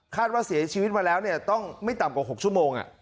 ว่าเสียชีวิตมาแล้วต้องไม่ต่ำกว่า๖ชั่วโมง